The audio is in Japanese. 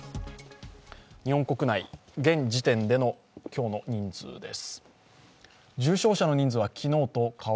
日本国内、現時点での今日の人数です。